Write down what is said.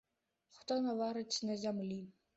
Хто наварыць на зямлі?